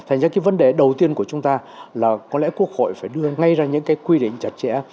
thành ra cái vấn đề đầu tiên của chúng ta là có lẽ quốc hội phải đưa ngay ra những cái quy định chặt chẽ